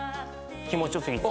気持ちよすぎて？